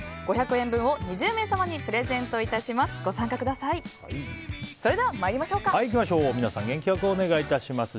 ５００円分を２０名様にプレゼントいたします。